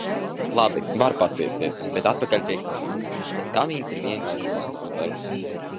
Labi, var paciesties. Bet atpakaļ pie kamīna. Tas kamīns ir vienkārši mākslas darbs.